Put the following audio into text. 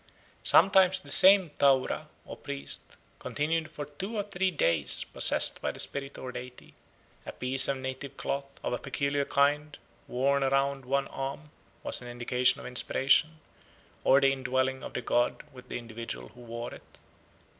Sometimes the same taura, or priest, continued for two or three days possessed by the spirit or deity; a piece of a native cloth, of a peculiar kind, worn round one arm, was an indication of inspiration, or of the indwelling of the god with the individual who wore it.